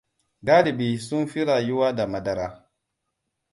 Galibi sun fi rayuwa da madara.